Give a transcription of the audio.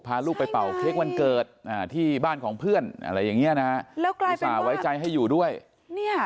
พาลูกไปเป่าเค้กวันเกิดที่บ้านของเพื่อนอะไรอย่างนี้นะอุตส่าห์ไว้ใจให้อยู่ด้วย